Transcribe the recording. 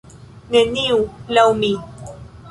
Neniu, laŭ mi.